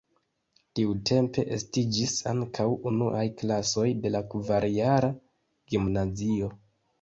Tiutempe estiĝis ankaŭ unuaj klasoj de la kvarjara gimnazio.